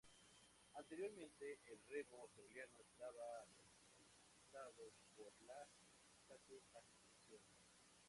Anteriormente, el remo australiano estaba representado por la State Associations.